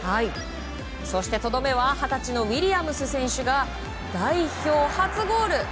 とどめは二十歳のウィリアムス選手が代表初ゴール！